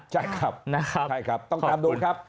ใช่ครับต้องตามดูครับ